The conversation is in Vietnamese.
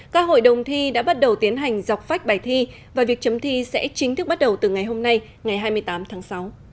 các hội đồng thi đã bắt đầu tiến hành dọc phách bài thi và việc chấm thi sẽ chính thức bắt đầu từ ngày hôm nay ngày hai mươi tám tháng sáu